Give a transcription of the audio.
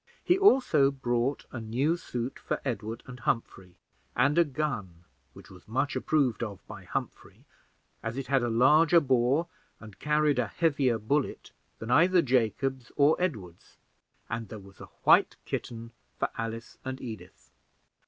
He also bought a new suit for Edward and Humphrey, and a gun, which was much approved of by Humphrey, as it had a larger bore and carried a heavier bullet than either Jacob's or Edward's; and there was a white kitten for Alice and Edith.